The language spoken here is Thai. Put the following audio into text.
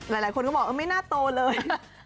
หลายคนก็บอกไม่น่าโตเลย